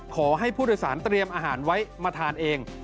ขอให้ผู้โดยสารเตรียมอาหารไว้มาทานเอง